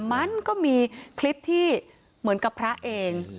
มันก็มีคลิปที่เหมือนกับพระเอง